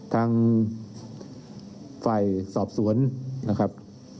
ทางฝ่ายสอบสวนนะครับ